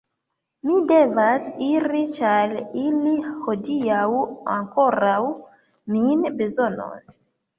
Mi devas iri ĉar ili hodiaŭ ankoraŭ min bezonos.